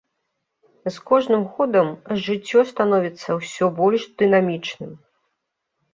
З кожным годам жыццё становіцца ўсё больш дынамічным.